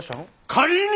仮に！